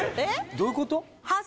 どういうこと？